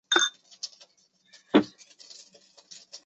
西到托特纳姆法院路。